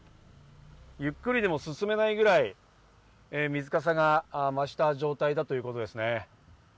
ゆっくりでも進めないくらい水かさが増した状態だということですね。